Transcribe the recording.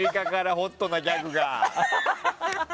ホットなギャグが。